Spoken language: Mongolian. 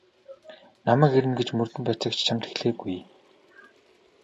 Намайг ирнэ гэж мөрдөн байцаагч чамд хэлээгүй.